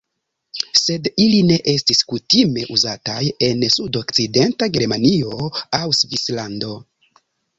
Sed ili ne estis kutime uzataj en sudokcidenta Germanio aŭ Svislando.